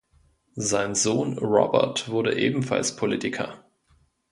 Sein Sohn Robert wurde ebenfalls Politiker.